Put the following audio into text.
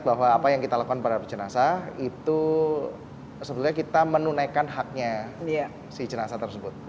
bahwa apa yang kita lakukan pada jenazah itu sebetulnya kita menunaikan haknya si jenazah tersebut